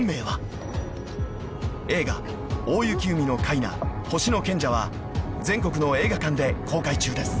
［映画『大雪海のカイナほしのけんじゃ』は全国の映画館で公開中です］